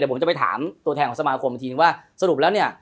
ผมจะไปถามตัวแทนของสมาคมอีกทีนึงว่าสรุปแล้วเนี่ย